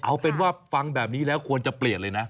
เอาเป็นว่าฟังแบบนี้แล้วควรจะเปลี่ยนเลยนะ